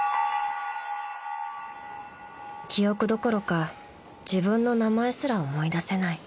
［記憶どころか自分の名前すら思い出せない］